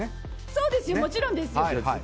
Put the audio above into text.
そうですよ、もちろんですよ。